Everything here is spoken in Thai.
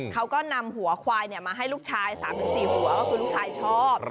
เขาก็นำหัวควายมาให้ลูกชาย๓๔หัวก็คือลูกชายชอบ